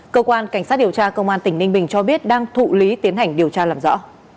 cơ quan cảnh sát điều tra công an tỉnh ninh bình cho biết đang thụ lý tiến hành điều tra làm rõ